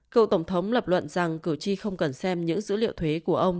cựu tổng thống lập luận rằng cử tri không cần xem những dữ liệu thuế của ông